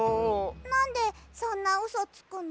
なんでそんなうそつくの？